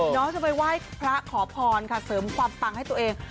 น้องจะไปไหว้พระขอพรค่ะเสริมความปังให้ตัวเอง